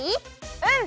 うん！